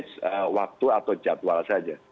dan memanajemen waktu atau jadwal saja